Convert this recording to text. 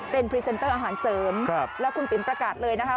เป็นพรีเซนเตอร์อาหารเสริมแล้วคุณปิ๋มประกาศเลยนะคะ